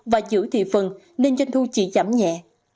và giữ thị phần nên doanh thu chỉ giảm nhẹ